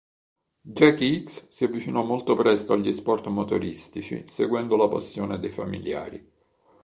Jacky Ickx si avvicinò molto presto agli sport motoristici seguendo la passione dei familiari.